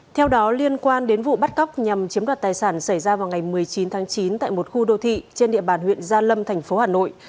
theo đó liên quan đến vụ bắt cóc nhằm chiếm đoạt tài sản xảy ra vào ngày một mươi chín tháng chín tại một khu đô thị trên địa bàn huyện gia lâm thành phố hà nội